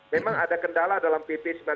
memang ada kendala dalam pp sembilan puluh sembilan